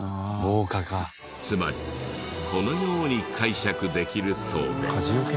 つまりこのように解釈できるそうで。